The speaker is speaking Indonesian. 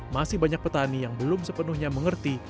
masih banyak petani yang belum sepenuhnya mengerti